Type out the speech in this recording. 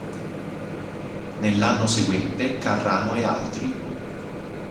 Nell'anno seguente, Carrano "et al.